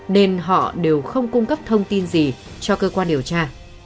nên họ đều không cung cấp thông tin gì cho cơ quan điều tra